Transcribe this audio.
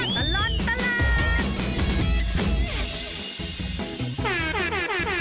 ช่วงตลอดตลาด